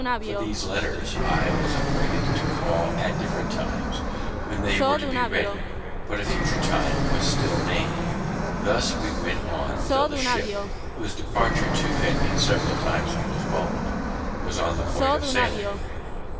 For these letters I was appointed to call at different times, when they were to be ready; but a future time was still named. Thus he went on till the ship, whose departure too had been several times postponed, was on the point of sailing.